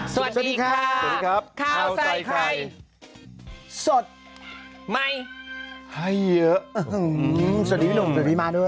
สวัสดีครับข้าวใส่ใครสดไม่เยอะสวัสดีพี่หนุ่มสวัสดีพี่มาด้วย